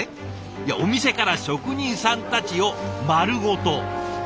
いやお店から職人さんたちを丸ごと。